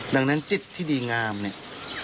ดังนั้นจิตที่ดีงามเนี่ย